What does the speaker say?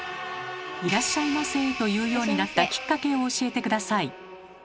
「いらっしゃいませ」と言うようになったきっかけを教えて下さい。